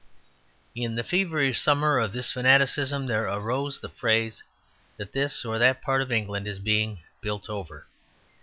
In the feverish summer of this fanaticism there arose the phrase that this or that part of England is being "built over."